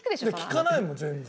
聞かないもん全然。